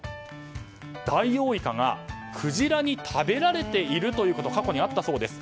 ダイオウイカがクジラに食べられているということが過去にあったそうです。